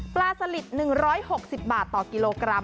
สลิด๑๖๐บาทต่อกิโลกรัม